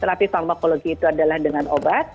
tetapi farmakologi itu adalah dengan obat